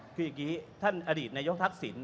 คืออย่างนี้ท่านอดีตนายกทักษิณ